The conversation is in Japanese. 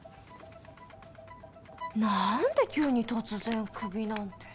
何で急に突然クビなんて。